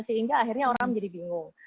sehingga akhirnya orang menjadi bingung